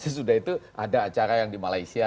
sesudah itu ada acara yang di malaysia